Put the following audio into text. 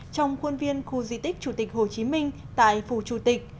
trong khuôn viên khu di tích chủ tịch hồ chí minh tại phủ chủ tịch